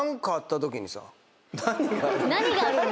何がある？